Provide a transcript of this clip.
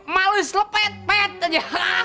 malu dislepet pet aja